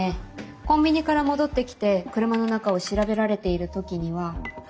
コンビニから戻ってきて車の中を調べられている時には。